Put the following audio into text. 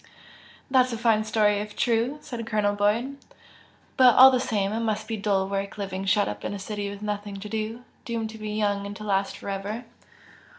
"That's a fine story if true!" said Colonel Boyd "But all the same, it must be dull work living shut up in a city with nothing to do, doomed to be young and to last for ever!"